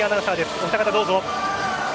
お二方、どうぞ。